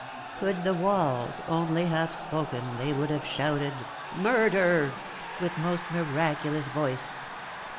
Could the wails only have spoken they would have shouted "Murder!" with most miraculous voice.